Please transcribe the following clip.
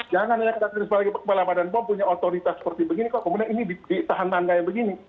jangan lagi ketika kepala badan pom punya otoritas seperti begini kok kemudian ini ditahan tangga yang begini